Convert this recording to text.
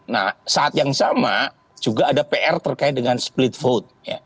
nah saat yang sama juga ada pr terkait dengan split vote